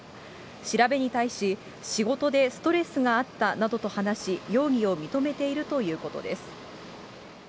調べに対し、仕事でストレスがあったなどと話し、容疑を認めているということです。